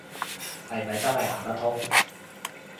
係咪真係行得通